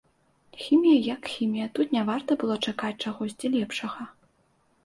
Хімія як хімія, тут не варта было б чакаць чагосьці лепшага.